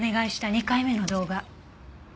２回目の動画。